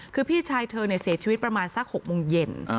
คือพี่ชายเธอเสียชีวิตประมาณสัก๖โมงเย็น